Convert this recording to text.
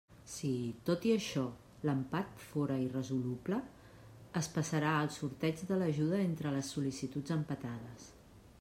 Si, tot i això, l'empat fóra irresoluble, es passarà al sorteig de l'ajuda entre les sol·licituds empatades.